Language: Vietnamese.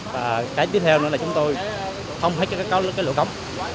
và cái tiếp theo nữa là chúng tôi không hơi có cái lỗ cắm